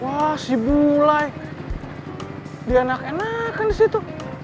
wah si bu lai dia enak enakan disitu